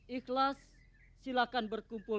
ikhlas silahkan berkumpul